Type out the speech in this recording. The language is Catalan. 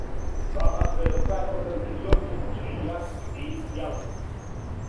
Va batre el rècord anterior que posseïa Cliff Young.